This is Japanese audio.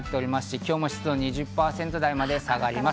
今日も湿度２０％台まで下がります。